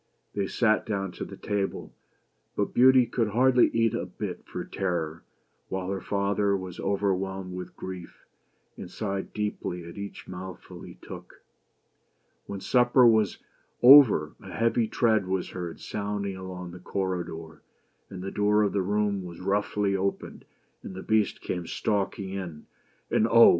They sat down to table, but Beauty could hardly eat a bit for terror, while her father was overwhelmed with grief, and sighed deeply at each mouthful he took. When supper was over, a heavy tread was heard sounding along the corridor ; and the door of the room was roughly opened and the Beast came stalking in. And, Oh !